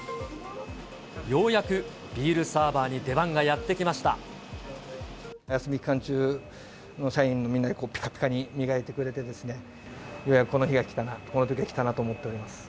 ようやくビールサーバーに出番が休み期間中、社員のみんなでぴかぴかに磨いてくれて、ようやくこの日が来たな、このときが来たなと思っております。